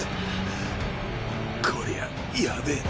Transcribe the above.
こりゃやべぇな。